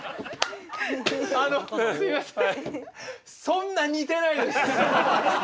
そんな似てないです。